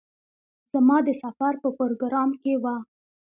زما د سفر په پروگرام کې وه.